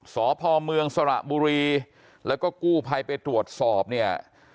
สพเมืองสระบุรีแล้วก็กู้ภัยไปตรวจสอบเนี่ย